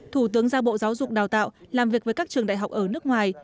thủ tướng ra bộ giáo dục đào tạo làm việc với các trường đại học ở nước ngoài